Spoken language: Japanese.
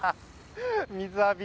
水浴び。